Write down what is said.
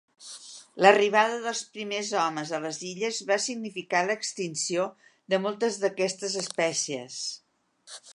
L'arribada dels primers homes a les illes va significar l'extinció de moltes d'aquestes espècies.